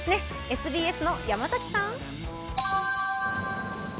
ＳＢＳの山崎さん。